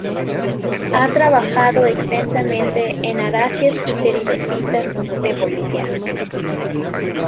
Ha trabajado extensamente en "Aráceas y Pteridofitas" de Bolivia.